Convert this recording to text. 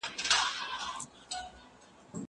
زه مخکي مړۍ خوړلي وه!!